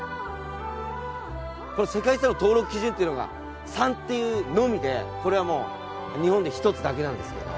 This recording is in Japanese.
世界遺産の登録基準っていうのが３っていうのみでこれはもう日本で１つだけなんですけど。